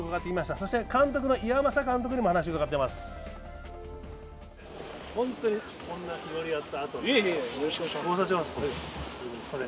そして監督の岩政監督にもお話を伺ってきました。